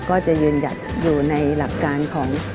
ก็จะยืนหยัดอยู่ในหลักการของ